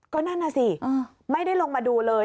ก็นั่นน่ะสิไม่ได้ลงมาดูเลย